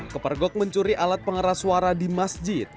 kepergok mencuri alat pengeras suara di masjid